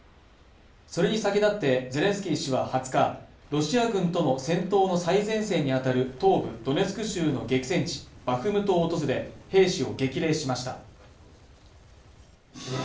それに先立ってゼレンスキー氏は２０日ロシア軍との戦闘の最前線にあたる東部ドネツク州の激戦地バフムトを訪れ兵士を激励しました